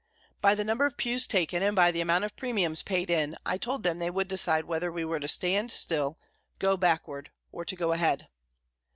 By the number of pews taken, and by the amount of premiums paid in, I told them they would decide whether we were to stand still, to go backward, or to go ahead.